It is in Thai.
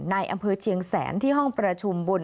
ในอำเภอเชียงแสนที่ห้องประชุมบน